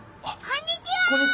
こんにちは！